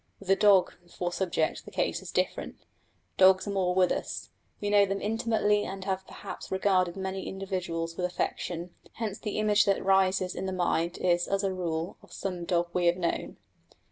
With the dog for subject the case is different: dogs are more with us we know them intimately and have perhaps regarded many individuals with affection; hence the image that rises in the mind is as a rule of some dog we have known.